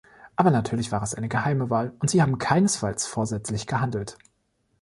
Aber natürlich war es eine geheime Wahl, und Sie haben keinesfalls vorsätzlich gehandelt.